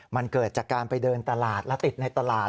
มันเกิดจากการไปเดินตลาดและติดในตลาด